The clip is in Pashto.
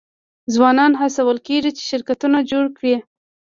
ځوانان هڅول کیږي چې شرکتونه جوړ کړي.